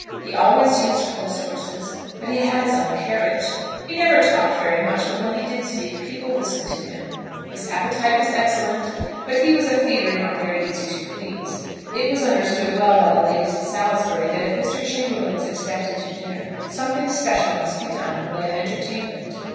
He always used post horses, but he had his own carriage. He never talked very much, but when he did speak people listened to him. His appetite was excellent, but he was a feeder not very easy to please; it was understood well by the ladies of Salisbury that if Mr. Chamberlaine was expected to dinner, something special must be done in the way of entertainment.